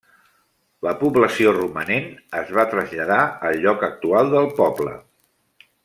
La població romanent es va traslladar al lloc actual del poble.